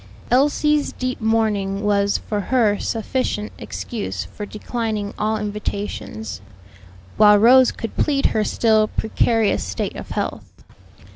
Elsie's deep mourning was for her sufficient excuse for declining all invitations; while Rose could plead her still precarious state of health.